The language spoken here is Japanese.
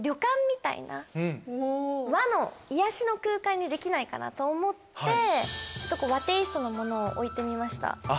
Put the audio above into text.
にできないかなと思ってちょっと和テイストのものを置いてみました。